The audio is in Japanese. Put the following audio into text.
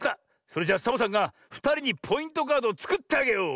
それじゃサボさんがふたりにポイントカードをつくってあげよう！